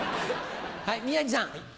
はい宮治さん。